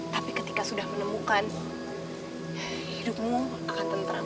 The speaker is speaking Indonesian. tapi ketika sudah menemukan hidupmu akan tentram